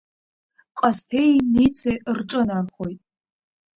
Ҟасҭеии Ницеи рҿынархоит.